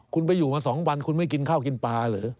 คุณไปอยู่มา๒วันคุณไม่กินข้าวกินปลาเหรอ